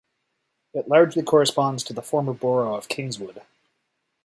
It largely corresponds to the former borough of Kingswood.